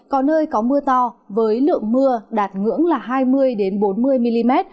có nơi có mưa to với lượng mưa đạt ngưỡng là hai mươi bốn mươi mm